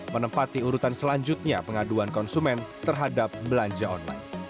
menempati urutan selanjutnya pengaduan konsumen terhadap belanja online